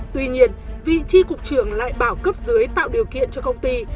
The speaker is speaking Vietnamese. tuy nhiên vị tri cục trưởng lại bảo cấp dưới tạo điều kiện cho công ty